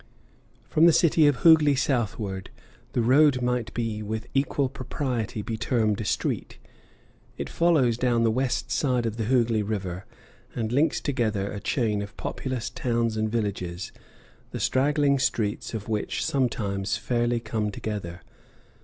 From the city of Hooghli southward, the road might with equal propriety be termed a street; it follows down the west side of the Hooghli River and links together a chain of populous towns and villages, the straggling streets of which sometimes fairly come together.